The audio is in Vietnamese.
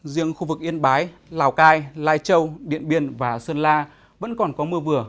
riêng khu vực yên bái lào cai lai châu điện biên và sơn la vẫn còn có mưa vừa